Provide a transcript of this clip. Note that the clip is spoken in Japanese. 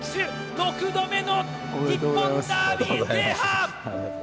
６度目の日本ダービー制覇！